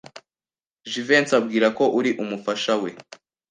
Jivency ambwira ko uri umufasha we.